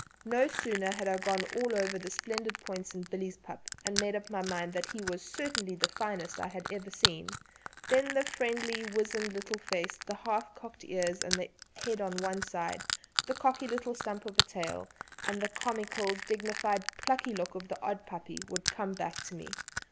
No sooner had I gone over all the splendid points in Billy's pup and made up my mind that he was certainly the finest I had ever seen, than the friendly wizened little face, the half cocked ears and head on one side, the cocky little stump of a tail, and the comical dignified plucky look of the odd puppy would all come back to me.